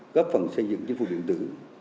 góp phần xây dựng chính phủ điện tử